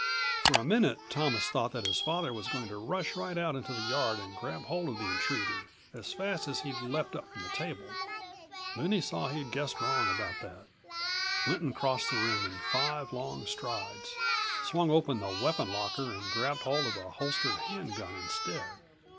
For a minute Thomas thought that his father was going to rush right out into the yard and grab hold of the intruder, as fast as he'd leapt up from the table. Then he saw he'd guessed wrong about that. Lynton crossed the room in five long strides, swung open the weapon locker and grabbed hold of a holstered hand gun instead.